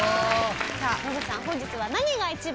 さあノブさん本日は何が一番。